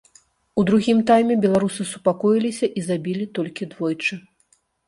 У другім тайме беларусы супакоіліся і забілі толькі двойчы.